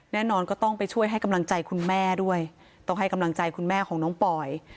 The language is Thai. แน่นอนก็ต้องไปช่วยให้กำลังใจคุณแม่ด้วยต้องให้กำลังใจคุณแม่ของน้องปอย